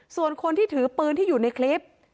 ส่วนคนที่ถือปืนที่อยู่ในคลิป